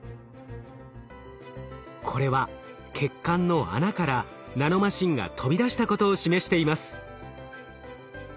これは血管の穴からナノマシンが飛び出したことを示しています。